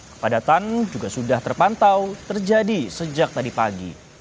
kepadatan juga sudah terpantau terjadi sejak tadi pagi